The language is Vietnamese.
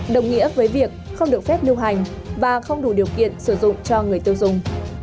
đồng nghĩa với việc không được phép lưu hành và không đủ điều kiện sử dụng cho người tiêu dùng